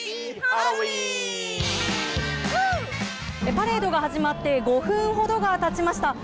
パレードが始まって５分ほどが経ちました。